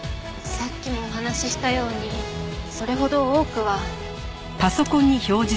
さっきもお話ししたようにそれほど多くは。